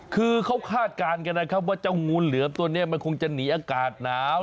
คือเขาคาดการณ์กันนะครับว่าเจ้างูเหลือมตัวนี้มันคงจะหนีอากาศหนาว